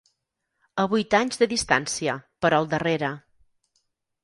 A vuit anys de distància, però al darrere.